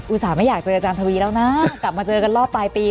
ต่าไม่อยากเจออาจารย์ทวีแล้วนะกลับมาเจอกันรอบปลายปี